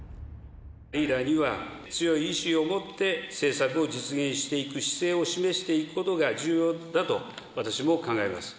リーダーには、強い意志を持って政策を実現していく姿勢を示していくことが重要だと、私も考えます。